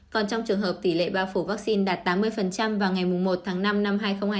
còn trong trường hợp tỷ lệ bao phủ vaccine đạt tám mươi vào ngày một tháng năm năm hai nghìn hai mươi bốn